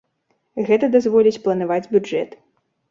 Гэта дазволіць планаваць бюджэт.